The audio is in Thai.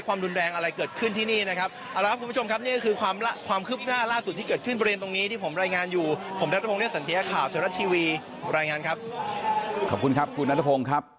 ผมนัททะพงเรียกสันเทียร์ข่าวเชิญรัฐทีวีรายงานครับขอบคุณครับคุณนัททะพงครับ